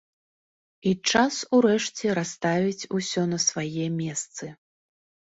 І час урэшце расставіць усё на свае месцы.